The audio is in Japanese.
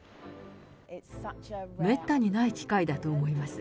めったにない機会だと思います。